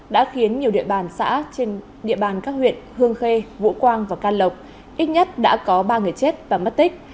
đã khiến nhiều địa bàn xã trên địa bàn các huyện hương khê vũ quang và can lộc ít nhất đã có ba người chết và mất tích